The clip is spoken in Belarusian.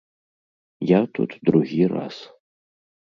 Я тут другі раз.